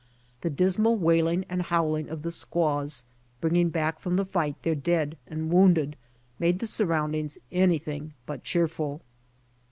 The dismal wailing and howling of the squaws, bringing back from the fight their dead and wounded, made the surroundings anything but cheerful.